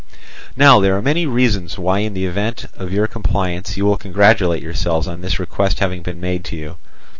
"Now there are many reasons why in the event of your compliance you will congratulate yourselves on this request having been made to you.